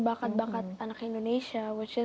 bakat bakat anak indonesia